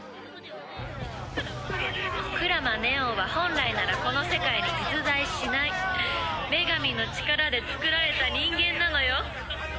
「鞍馬祢音は本来ならこの世界に実在しない女神の力でつくられた人間なのよ」